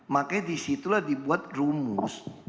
makanya disitulah dibuat rumus